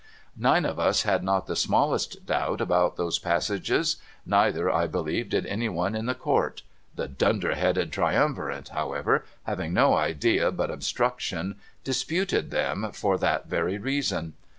Nine of us had not the smallest doubt about those passages, neither, I believe, had any one in the Court; the dunder headed triumvirate, however, having no idea but obstruc tion, disputed them for that very reason.